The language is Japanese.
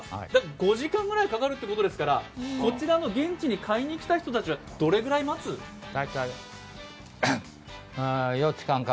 ５時間ぐらいかかるってことですから、こちらの現地に買いに来た人はどれぐらい待つんですか？